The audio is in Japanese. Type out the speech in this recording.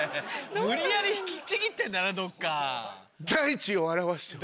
無理やり引きちぎってんだね